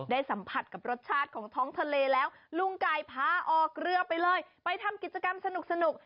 สัมผัสกับรสชาติของท้องทะเลแล้วลุงไก่พาออกเรือไปเลยไปทำกิจกรรมสนุก